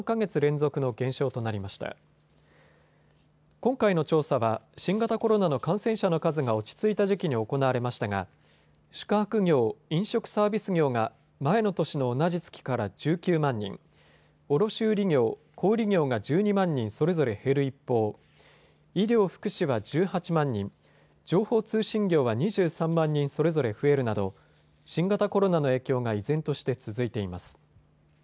今回の調査は新型コロナの感染者の数が落ち着いた時期に行われましたが宿泊業・飲食サービス業が前の年の同じ月から１９万人、卸売業・小売業が１２万人それぞれ減る一方、医療・福祉は１８万人、情報通信業は２３万人それぞれ増えるなど新型コロナの影響が依然として続いています。